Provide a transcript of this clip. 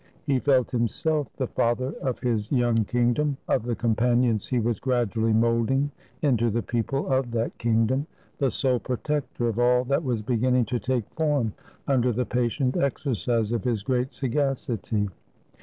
He felt himself the father of his young kingdom, of the companions he was gradually moulding into the people of that king dom, the sole protector of all that was beginning to take form imder the patient exercise of his great sagacity.